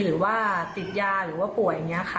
หรือว่าติดยาหรือว่าป่วยอย่างนี้ค่ะ